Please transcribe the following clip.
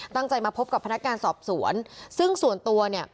ตั้งใจมาพบกับพนักงานสอบสวนซึ่งส่วนตัวเนี่ย